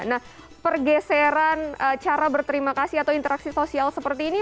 nah pergeseran cara berterima kasih atau interaksi sosial seperti ini